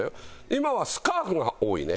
今はスカーフが多いね。